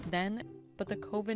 nhưng bởi vì covid một mươi chín